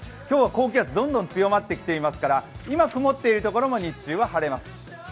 今日は高気圧どんどん強まってきていますから今曇っているところも日中は晴れます。